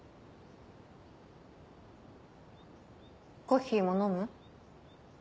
コッヒーも飲む？